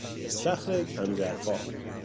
استخر کم ژرفا